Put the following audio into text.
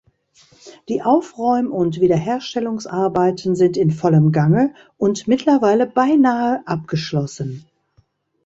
Die Aufräum- und Wiederherstellungsarbeiten sind in vollem Gange und mittlerweile beinahe abgeschlossen.